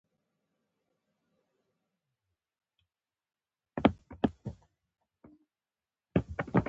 هرات او کندهار ولایتونه د تجارتي لارې په توګه مهم دي.